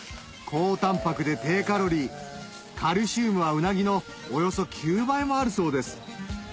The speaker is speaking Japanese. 高タンパクで低カロリーカルシウムはウナギのおよそ９倍もあるそうです